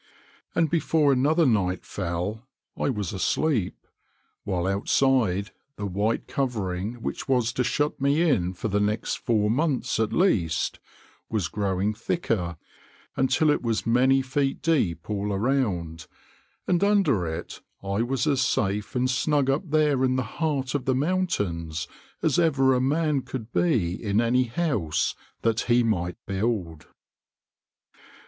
And before another night fell I was asleep, while outside the white covering which was to shut me in for the next four months at least, was growing thicker until it was many feet deep all around, and under it I was as safe and snug up there in the heart of the mountains as ever a man could be in any house that he might build.